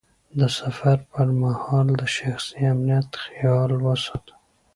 د سفر پر مهال د شخصي امنیت خیال وساته.